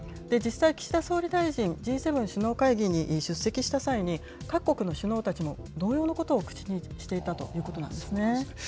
実際、岸田総理大臣、Ｇ７首脳会議に出席した際に、各国の首脳たちも同様のことを口にしていたということなんですね。